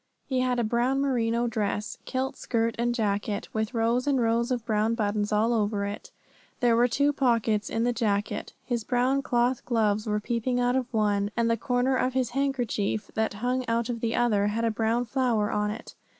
He had a brown merino dress, kilt skirt and jacket, with rows and rows of brown buttons all over it; there were two pockets in the jacket; his brown cloth gloves were peeping out of one, and the corner of his handkerchief, that hung out of the other, had a brown flower on it.